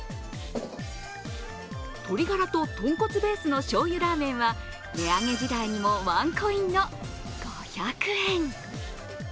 鶏ガラと豚骨ベースのしょうゆラーメンは値上げ時代にもワンコインの５００円